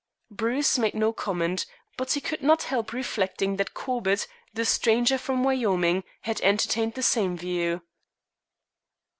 Bruce made no comment, but he could not help reflecting that Corbett, the stranger from Wyoming, had entertained the same view.